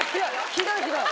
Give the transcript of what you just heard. ひどいひどい！